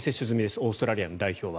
オーストラリア代表は。